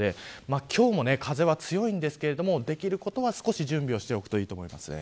今日も風が強いですができることは準備した方がいいと思います。